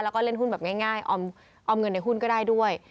แล้วก็เล่นหุ้นแบบง่ายออมเงินในหุ้นก็ได้ด้วย